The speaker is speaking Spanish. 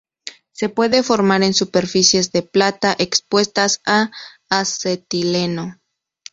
Se puede formar en superficies de plata expuestas a acetileno.